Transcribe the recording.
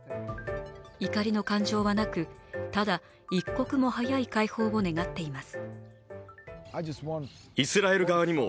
怒りの感情はなく、ただ、一刻も早い解放を願っています。